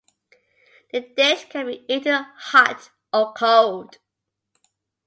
The dish can be eaten hot or cold.